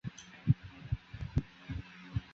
热讷伊人口变化图示